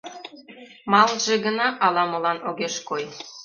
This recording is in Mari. Малже гына ала-молан огеш кой.